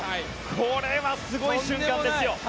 これはすごい瞬間ですよ。